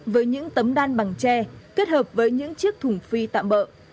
với những tấm đan bằng tre kết hợp với những chiếc thùng phi tạm bỡ